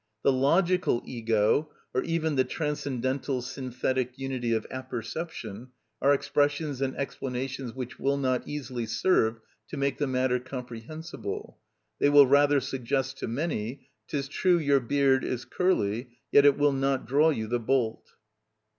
The logical ego or even the transcendental synthetic unity of apperception are expressions and explanations which will not easily serve to make the matter comprehensible; they will rather suggest to many: "'Tis true your beard is curly, yet it will not draw you the bolt."